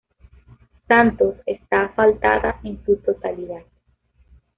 Santos está asfaltada en su totalidad.